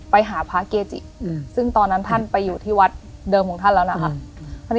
ไปหาพระเกจิซึ่งตอนนั้นท่านไปอยู่ที่วัดเดิมของท่านแล้วนะคะ